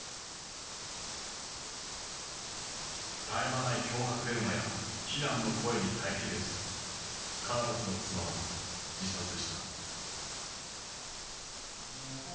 絶え間ない脅迫電話や非難の声に耐え切れずカーロスの妻は自殺した。